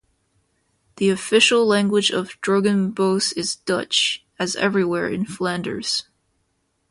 The official language of Drogenbos is Dutch, as everywhere in Flanders.